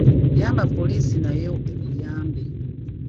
Yamba poliisi nayo ekuyambe.